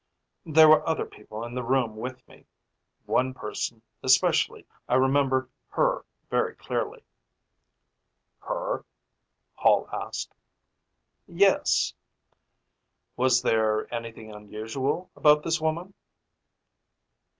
There were other people in the room with me one person especially. I remembered her very clearly." "Her?" Hall asked. "Yes." "Was there anything unusual about this woman?"